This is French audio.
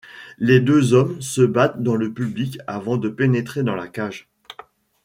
Les deux hommes se battent dans le public avant de pénétrer dans la cage.